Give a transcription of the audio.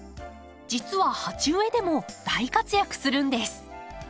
実は鉢植えでも大活躍するんです。